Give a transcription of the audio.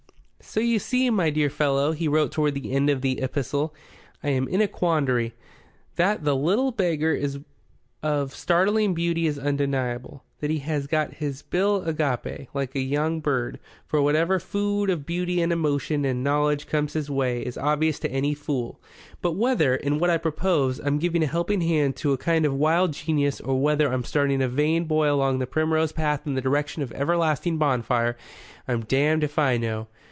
"So you see, my dear fellow," he wrote toward the end of the epistle, "I am in a quandary. That the little beggar is of startling beauty is undeniable. That he has got his bill agape, like a young bird, for whatever food of beauty and emotion and knowledge comes his way is obvious to any fool. But whether, in what I propose, I'm giving a helping hand to a kind of wild genius, or whether I'm starting a vain boy along the primrose path in the direction of everlasting bonfire, I'm damned if I know."